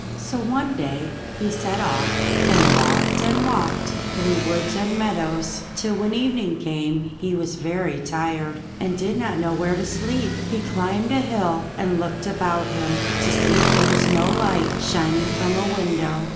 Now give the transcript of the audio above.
So one day he set off, and walked and walked through woods and meadows till when evening came he was very tired, and did not know where to sleep. He climbed a hill and looked about him to see if there was no light shining from a window.